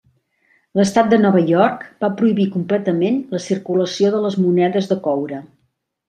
L'Estat de Nova York va prohibir completament la circulació de les monedes de coure.